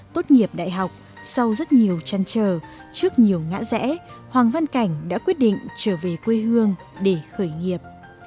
tốt nghiệp đại học sau rất nhiều chăn trở trước nhiều ngã rẽ hoàng văn cảnh đã quyết định trở về quê hương để khởi nghiệp